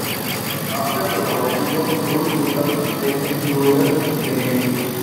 After the war she was sold to the Venezuelan Navy.